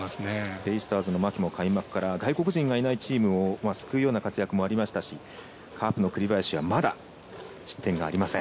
ベイスターズの牧も開幕から外国人がいないところを救うような活躍もありましたしカープの栗林はまだ失点がありません。